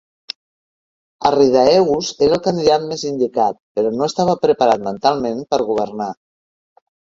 Arrhidaeus era el candidat més indicat, però no estava preparat mentalment per governar.